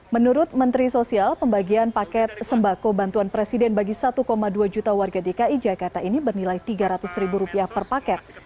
menurut menteri sosial pembagian paket sembako bantuan presiden bagi satu dua juta warga dki jakarta ini bernilai rp tiga ratus ribu rupiah per paket